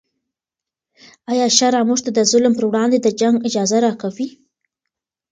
آیا شرع موږ ته د ظالم پر وړاندې د جنګ اجازه راکوي؟